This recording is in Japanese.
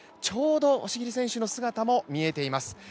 ちょうど押切選手の姿も見えています。